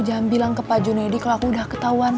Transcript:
jangan bilang ke pak junedi kalau aku udah ketauan